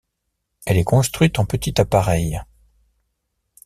Elle est construite en petit appareil.